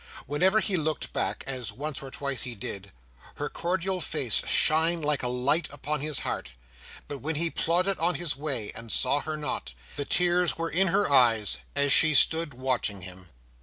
Whenever he looked back—as once or twice he did—her cordial face shone like a light upon his heart; but when he plodded on his way, and saw her not, the tears were in her eyes as she stood watching him.